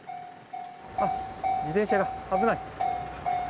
自転車が危ない。